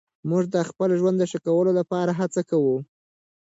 موږ د خپل ژوند ښه کولو لپاره هڅه کوو.